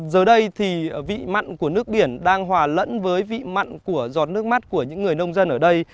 giờ đây thì vị mặn của nước biển đang hòa lẫn với vị mặn của giọt nước mắt của những người nông dân ở đây